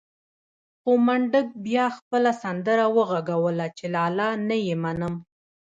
خو منډک بيا خپله سندره وغږوله چې لالا نه يې منم.